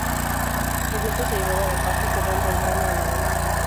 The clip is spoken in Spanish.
El viento se llevaba la paja quedando el grano en la era.